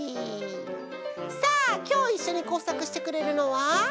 さあきょういっしょにこうさくしてくれるのは。